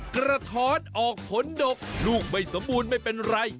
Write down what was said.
กระท้อนออกผลดกลูกไม่สมบูรณ์ไม่เป็นไร